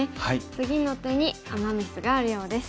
次の手にアマ・ミスがあるようです。